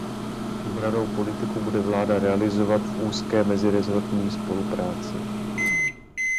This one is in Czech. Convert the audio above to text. Obrannou politiku bude vláda realizovat v úzké meziresortní spolupráci.